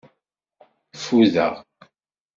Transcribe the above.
Fudeɣ.